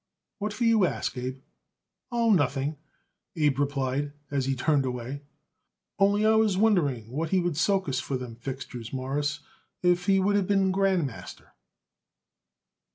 "What for you ask, Abe?" "Oh, nothing," Abe replied as he turned away. "Only, I was wondering what he would soak us for them fixtures, Mawruss, if he would of been Grand Master."